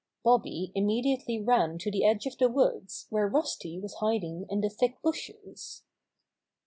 Bobby imme diately ran to the edge of the woods where Rusty was hiding in the thick bushes.